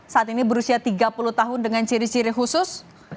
saat ini berusia tiga puluh tahun dengan ciri ciri khusus